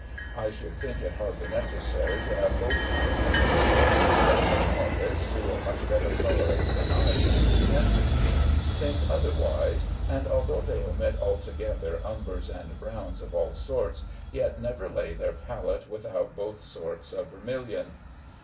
I should think it hardly necessary to have both kinds on the palette, but some artists, who are much better colorists than I can pretend to be, think otherwise; and although they omit altogether umbers and browns of all sorts, yet never lay their palette without both sorts of vermilion.